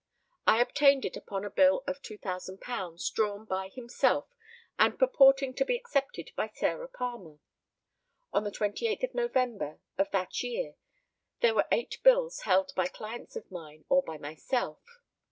I obtained it upon a bill for £2,000 drawn by himself, and purporting to be accepted by Sarah Palmer. On the 28th of November of that year there were eight bills held by clients of mine or by myself.